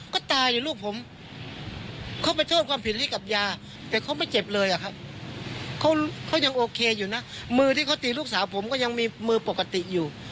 ก็ตายอยู่ลูกผมเขาไปโทษความผิดให้กับยาแต่เขาไม่เจ็บเลยอะครับเขายังโอเคอยู่นะมือที่เขาตีลูกสาวผมก็ยังมีมือปกติอยู่